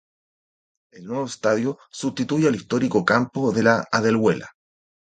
El nuevo estadio sustituye al histórico campo de La Aldehuela.